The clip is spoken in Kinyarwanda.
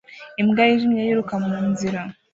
Imbwa yijimye yiruka mu nzira